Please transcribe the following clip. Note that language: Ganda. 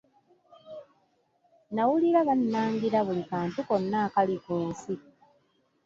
Nawulira bannangira buli kantu konna akali ku nsi.